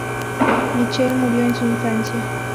Michael murió en su infancia.